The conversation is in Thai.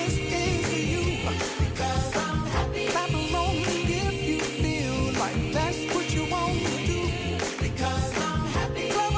สวัสดีครับสวัสดีครับ